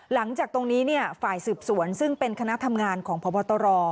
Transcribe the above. หลังจากตรงนี้ฝ่ายสืบสวนซึ่งเป็นคณะทำงานของพบตร